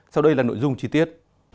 sau đây là nội dung chi tiết